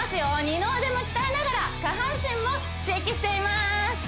二の腕も鍛えながら下半身も刺激しています